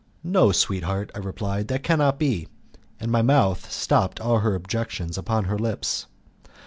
"No, sweetheart," I replied, "that cannot be." And my mouth stopped all her objections upon her lips.